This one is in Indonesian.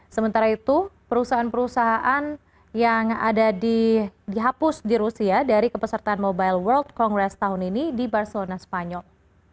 sementara itu perusahaan perusahaan yang ada dihapus di rusia dari kepesertaan mobile world congress tahun ini di barcelona spanyol